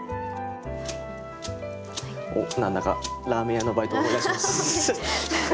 おっ何だかラーメン屋のバイトを思い出します。